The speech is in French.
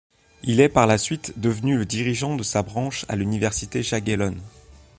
Il est, par la suite, devenu le dirigeant de sa branche à l'Université Jagellonne.